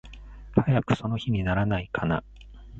早くその日にならないかな。